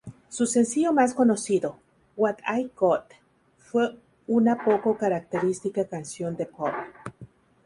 Su sencillo más conocido, "What I Got", fue una poco característica canción de pop.